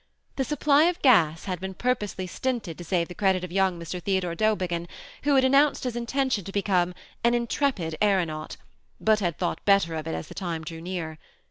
The supply of gas had been purposely stinted to save the credit of young •Mr. Theodore Do^biggin, who had announced his intention to become ^^an intrepid aeronaut,'^ but had thought better of it as the time drew near.